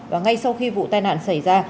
và ngay sau khi vụ tai nạn xảy ra